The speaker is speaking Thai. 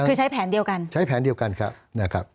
คือใช้แผนเดียวกันใช้แผนเดียวกันครับนะครับ